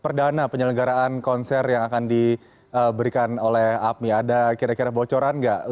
perdana penyelenggaraan konser yang akan diberikan oleh apmi ada kira kira bocoran nggak